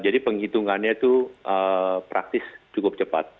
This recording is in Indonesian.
jadi penghitungannya itu praktis cukup cepat